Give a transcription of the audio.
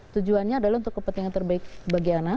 tujuannya adalah untuk kepentingan terbaik bagi anak